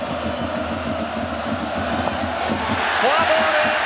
フォアボール！